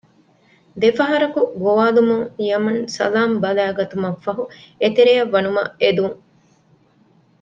ދެފަހަރަކު ގޮވާލުމުން ޔަމަން ސަލާމް ބަލައިގަތުމަށް ފަހު އެތެރެއަށް ވަނުމަށް އެދުން